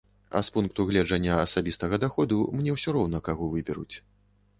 А з пункту гледжання асабістага даходу мне ўсё роўна, каго выберуць.